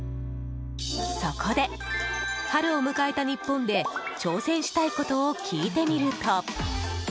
そこで春を迎えた日本で挑戦したいことを聞いてみると。